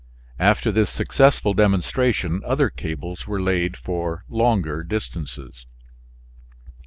After this successful demonstration other cables were laid for longer distances.